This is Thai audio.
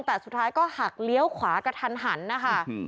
แต่สุดท้ายก็หักเลี้ยวขวากระทันหันนะคะ